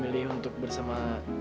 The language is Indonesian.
dia udah milih untuk bersama